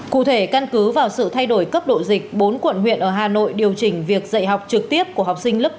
cụ thể căn cứ vào sự thay đổi cấp độ dịch bốn quận huyện ở hà nội điều chỉnh việc dạy học trực tiếp của học sinh lớp chín và một mươi hai